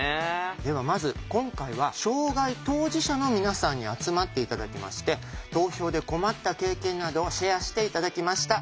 ではまず今回は障害当事者の皆さんに集まって頂きまして投票で困った経験などをシェアして頂きました。